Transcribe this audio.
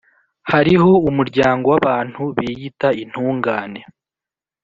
hariho umuryango w’abantu biyita intungane